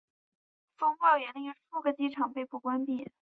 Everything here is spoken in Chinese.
风暴也令数个机场被迫关闭。